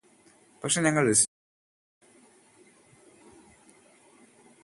പക്ഷേ ഞങ്ങള് രസിച്ചിരുന്നു